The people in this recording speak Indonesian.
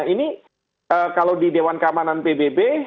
ini kalau di dewan keamanan pbb